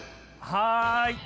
はい！